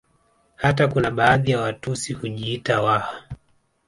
Hata kuna baadhi ya Watusi hujiita Waha